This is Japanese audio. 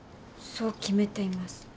そう決めています。